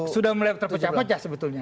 sudah mulai terpecah pecah sebetulnya